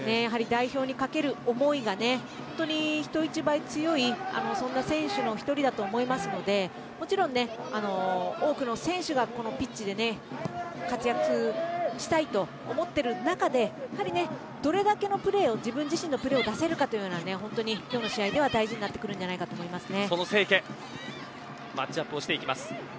代表に懸ける思いが本当に人一倍強いそんな選手の１人だと思いますので多くの選手がピッチで活躍したいと思っている中でやっぱり、どれだけのプレーを自分自身のプレーを出せるかというのは今日の試合では本当に大事になってくると思いますね。